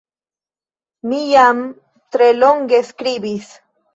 Mi jam tre longe skribis.